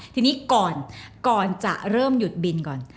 ทีนี้ก่อนจะเริ่มหยุดบินก่อน